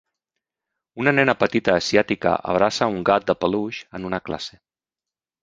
Una nena petita asiàtica abraça un gat de peluix en una classe.